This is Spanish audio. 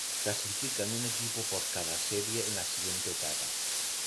Clasifican un equipo por cada serie en la siguiente etapa.